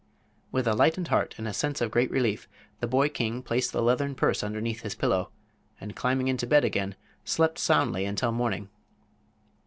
With a lightened heart and a sense of great relief the boy king placed the leathern purse underneath his pillow, and climbing into bed again slept soundly until morning.